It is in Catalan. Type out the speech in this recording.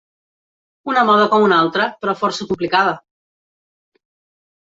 Una moda com una altra, però força complicada.